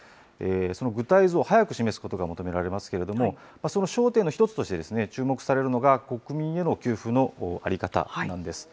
その具体像を早く示すことが求められますけれども、その焦点の一つとして注目されるのが、国民への給付の在り方なんです。